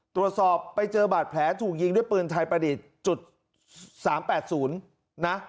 ตรวจสอบไปเจอบาดแผลถูกยิงด้วยปืนไทยประดิษฐ์๓๘๐นะ